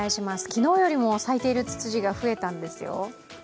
昨日よりも咲いているツツジが増えたんですよ。